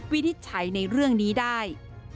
วินิจฉัยในเรื่องนี้ได้